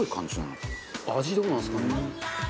中丸：味、どうなんですかね。